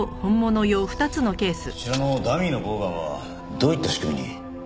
こちらのダミーのボウガンはどういった仕組みに？